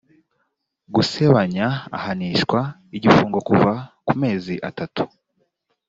gusebanya ahanishwa igifungo kuva ku mezi atatu